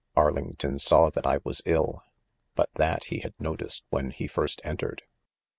i Arlington saw that I was ill, hut that he had noticed when he first entered.